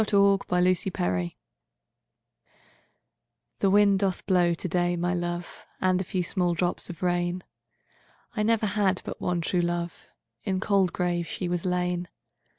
The Unquiet Grave I'THE WIND doth blow today, my love, And a few small drops of rain;I never had but one true love; In cold grave she was lain.